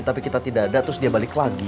tapi kita tidak ada terus dia balik lagi